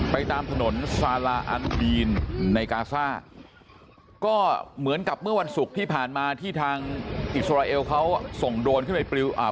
ตามถนนซาลาอันดีนในกาซ่าก็เหมือนกับเมื่อวันศุกร์ที่ผ่านมาที่ทางอิสราเอลเขาส่งโดรนขึ้นไปปริวอ่า